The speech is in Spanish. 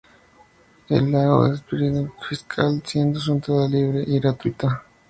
El lago es de propiedad fiscal, siendo su entrada libre y gratuita.